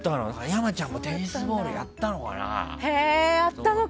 山ちゃんもテニスボールやったのかな？